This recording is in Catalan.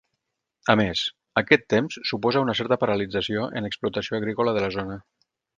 A més, aquest temps suposa una certa paralització en l'explotació agrícola de la zona.